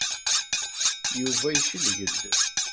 Yuba yecleg-d.